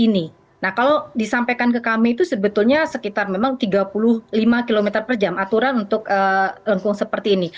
nah kalau disampaikan ke kami itu sebetulnya sekitar memang tiga puluh lima km per jam aturan untuk lengkung seperti ini